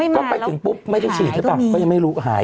ก็ไปถึงปุ๊บว่าไทยไม่รู้หาย